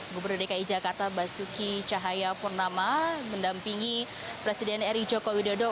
gubernur dki jakarta basuki cahaya purnama mendampingi presiden eri joko widodo